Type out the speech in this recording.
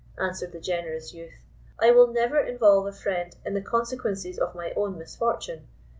answered the generous youth, "I will never involve a friend in the consequences of my own misfortune.